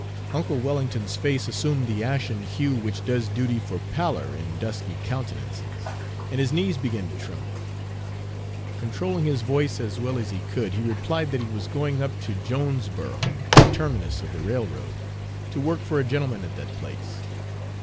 Uncle Wellington's face assumed the ashen hue which does duty for pallor in dusky countenances, and his knees began to tremble. Controlling his voice as well as he could, he replied that he was going up to Jonesboro, the terminus of the railroad, to work for a gentleman at that place.